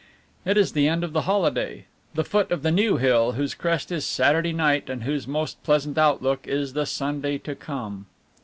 It is the end of the holiday, the foot of the new hill whose crest is Saturday night and whose most pleasant outlook is the Sunday to come.